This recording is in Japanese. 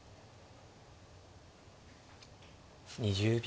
２０秒。